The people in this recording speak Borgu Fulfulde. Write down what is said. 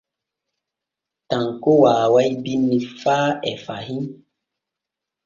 Tanko waaway binni faa e fahin.